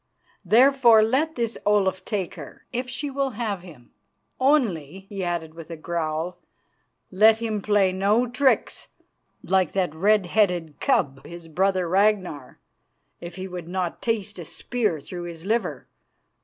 Therefore, let this Olaf take her, if she will have him. Only," he added with a growl, "let him play no tricks like that red headed cub, his brother Ragnar, if he would not taste of a spear through his liver.